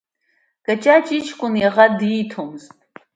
Кәаҷаҷ иҷкәын, иаӷа дииҭомызт.